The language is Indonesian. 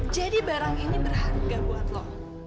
jadi barang ini berharga buat lo